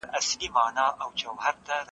که حضوري چاپيريال ارام وي زده کوونکي ښه اوري.